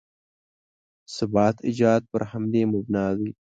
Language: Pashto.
ثبات ایجاد پر همدې مبنا دی.